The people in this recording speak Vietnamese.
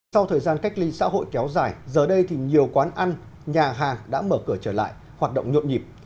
sau thời gian cách ly xã hội kéo dài giờ đây thì nhiều quán ăn nhà hàng đã mở cửa trở lại hoạt động nhộn nhịp